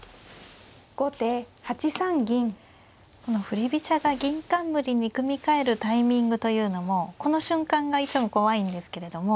振り飛車が銀冠に組み替えるタイミングというのもこの瞬間がいつも怖いんですけれども。